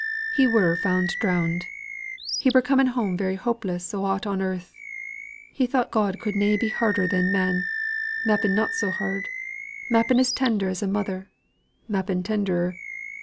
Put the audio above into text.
"He were found drowned. He were coming home very hopeless o' aught on earth. He thought God could na be harder than men; mappen not so hard; mappen as tender as a mother; mappen tenderer.